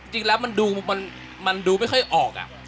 จริงแล้วมันดูไม่ค่อยออกอะ